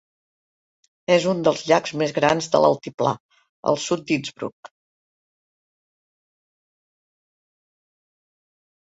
És un dels llacs més grans de l'altiplà al sud d'Innsbruck.